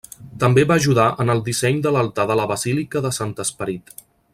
També va ajudar en el disseny de l'altar de la Basílica de Sant Esperit.